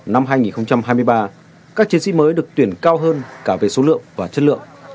năm hai nghìn hai mươi ba các chiến sĩ mới được tuyển cao hơn cả về số lượng và chất lượng